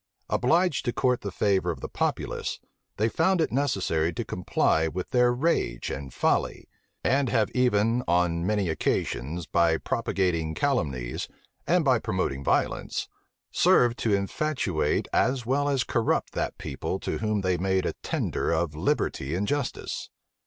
Obliged to court the favor of the populace, they found it necessary to comply with their rage and folly; and have even, on many occasions, by propagating calumnies, and by promoting violence, served to infatuate as well as corrupt that people to whom they made a tender of liberty and justice.